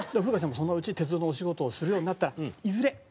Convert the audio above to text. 風花ちゃんもそのうち鉄道のお仕事をするようになったらいずれ。